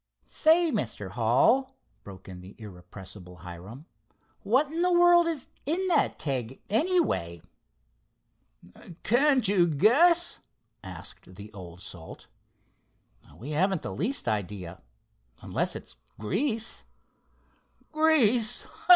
"Say, Mr. Hull," broke in the irrepressible Hiram; "what in the world is in that keg, anyway?" "Can't you guess?" asked the old salt. "We haven't the least idea, unless it's grease." "Grease! Ha!